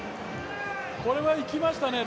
これはいきましたね